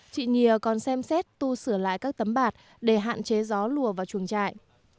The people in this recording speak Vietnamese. chị nhìa còn xem xét tu sửa lại các tấm bạc để hạn chế gió lùa vào chuồng trại